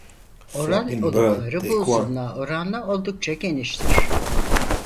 Oral olukları bu uzunluğa oranla oldukça geniştir.